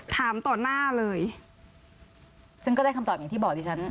ถามต่อหน้าเลยซึ่งก็ได้คำตอบอย่างที่บอกดิฉัน